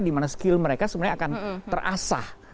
di mana skill mereka sebenarnya akan terasah